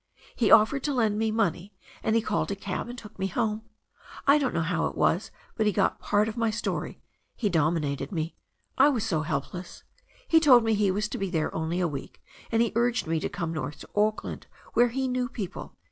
He offered to lend me money, and he called a cab and took me home. I don't know how it was, but he got part of my story — ^he dominated me, I was so helpless. He told me he was to be there only a week, and he urged me to come north to Auckland where he knew people.